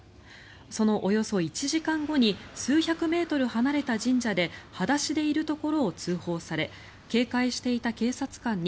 そのおよそ１時間後に数百メートル離れた神社で裸足でいるところを通報され警戒していた警察官に